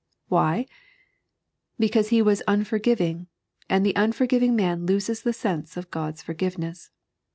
Why ? Because he wan unforgiving, and the unforgiving man loses the sense of God's forgiveness.